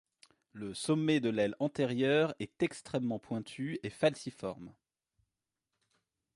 Le sommet de l' aile antérieure est extrêmement pointue et falciformes.